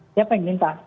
siapa yang minta